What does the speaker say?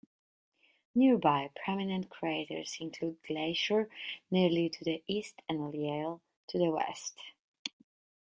Nearby prominent craters include Glaisher nearly to the east and Lyell to the west.